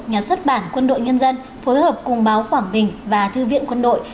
nhà xuất bản quân đội nhân dân phối hợp cùng báo quảng bình và thư viện quân đội